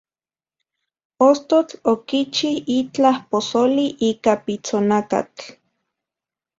Ostotl okichi itlaj posoli ika pitsonakatl.